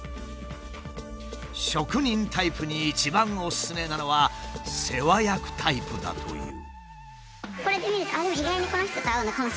職人タイプに一番おすすめなのは世話役タイプだという。